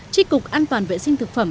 tri cục an toàn vệ sinh thực phẩm